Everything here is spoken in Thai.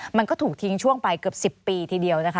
มันก็ถูกทิ้งช่วงไปเกือบ๑๐ปีทีเดียวนะคะ